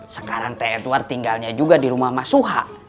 sekarang teh edward tinggalnya juga di rumah mas suha